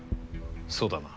そうだな？